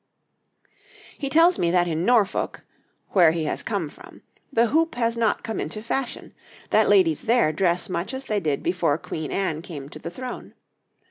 ] He tells me that in Norfolk, where he has come from, the hoop has not come into fashion; that ladies there dress much as they did before Queen Anne came to the throne.